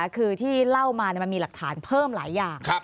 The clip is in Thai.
คือที่เล่ามามันมีหลักฐานเพิ่มหลายอย่าง